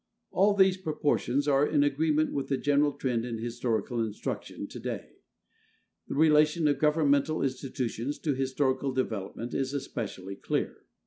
All these proportions are in agreement with the general trend in historical instruction to day. The relation of governmental institutions to historical development is especially clear.